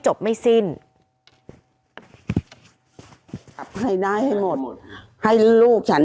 เหมือนครอบครัวฉันพี่ป้าหน้าลูกหลาน